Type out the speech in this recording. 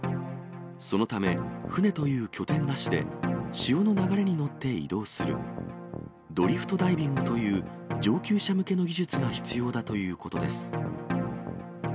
そのため、船という拠点なしで、潮の流れに乗って移動する、ドリフトダイビングという上級者向けの技術が必要だということです。